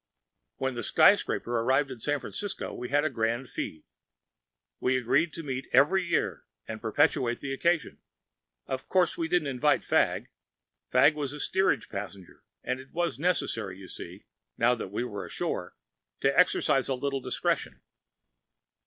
When the Skyscraper arrived at San Francisco we had a grand ‚Äúfeed.‚ÄĚ We agreed to meet every year and perpetuate the occasion. Of course we didn’t invite Fagg. Fagg was a steerage passenger, and it was necessary, you see, now we were ashore, to exercise a little discretion.